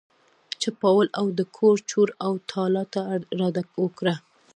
چپاول او د کور چور او تالا ته اراده وکړه.